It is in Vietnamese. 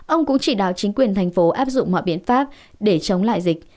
ông cũng chỉ đạo chính quyền thành phố áp dụng mọi biện pháp để chống lại dịch